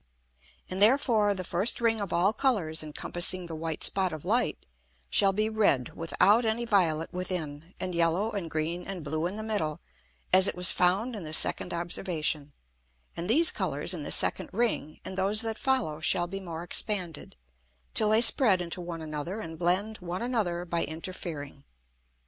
And therefore the first Ring of all Colours encompassing the white Spot of Light shall be red without any violet within, and yellow, and green, and blue in the middle, as it was found in the second Observation; and these Colours in the second Ring, and those that follow, shall be more expanded, till they spread into one another, and blend one another by interfering.